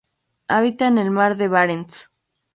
Habita en el Mar de Barents.